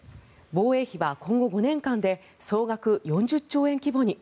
防衛費は今後５年間で総額４０兆円規模に。